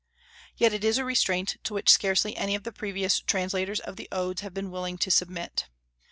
Yet it is a restraint to which scarcely any of the previous translators of the Odes have been willing to submit.